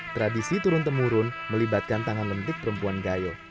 tradisi turun temurun melibatkan tangan lentik perempuan gayo